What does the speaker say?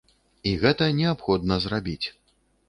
І гэта неабходна зрабіць.